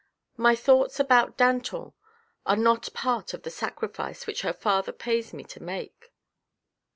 My thoughts about Danton are not part of the sacrifice which her father pays me to make."